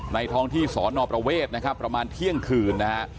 ท้องที่สอนอประเวทนะครับประมาณเที่ยงคืนนะฮะ